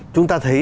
chúng ta thấy